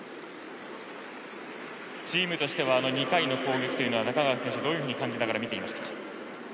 チームとしてはあの２回の攻撃は中川選手はどういうふうに感じながら見ていましたか？